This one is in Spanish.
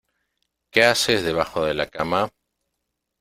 ¿ Qué haces debajo de la cama?